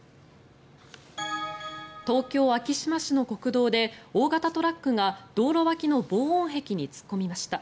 東京・昭島市の国道で大型トラックが道路脇の防音壁に突っ込みました。